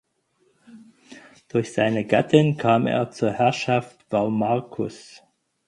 Durch seine Gattin kam er zur Herrschaft Vaumarcus.